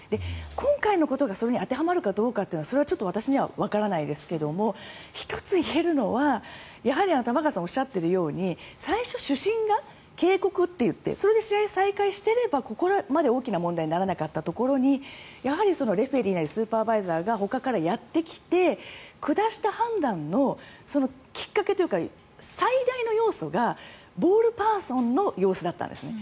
今回のことが、それに当てはまるかどうかというのはそれはちょっと私にはわからないですが１つ言えるのは玉川さんがおっしゃっているように最初、主審が警告って言ってそれで試合を再開していればここまで大きな問題にならなかったところにやはりレフェリーなりスーパーバイザーがほかからやってきて下した判断のきっかけというか最大の要素がボールパーソンの様子だったんですね。